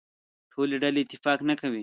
ټولې ډلې اتفاق نه کوي.